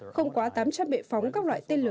không quá tám trăm linh bệ phóng các loại tên lửa